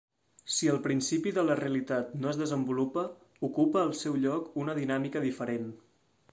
Si el principi de la realitat no es desenvolupa, ocupa el seu lloc una dinàmica diferent.